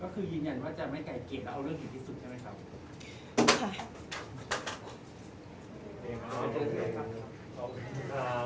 คือยืนยันว่าจะไม่ใกล้เกรดแล้วเอาเรื่องเก่งที่สุดใช่มั้ยครับ